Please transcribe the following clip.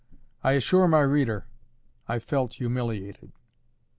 I assure my reader, I felt humiliated.